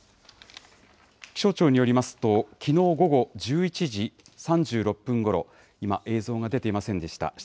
気象庁によりますと、きのう午後１１時３６分ごろ、今、映像が出ていませんでした。